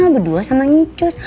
berdua sama ncus